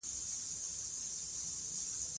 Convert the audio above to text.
پامیر د افغانستان د ملي هویت یوه نښه ده.